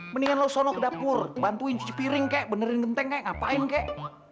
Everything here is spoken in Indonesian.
mendingan lo sono ke dapur bantuin cuci piring kek benerin genteng kek ngapain kek